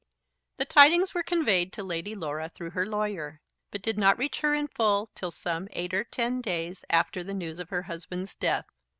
The tidings were conveyed to Lady Laura through her lawyer, but did not reach her in full till some eight or ten days after the news of her husband's death.